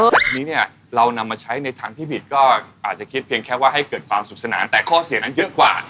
แต่ทีนี้เนี่ยเรานำมาใช้ในทางที่ผิดก็อาจจะคิดเพียงแค่ว่าให้เกิดความสุขสนานแต่ข้อเสียนั้นเยอะกว่า